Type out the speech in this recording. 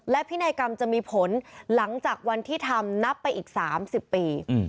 และพินัยกรรมจะมีผลหลังจากวันที่ทำนับไปอีก๓๐ปี